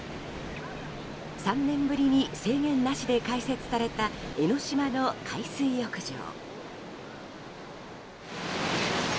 ３年ぶりに制限なしで開設された江の島の海水浴場。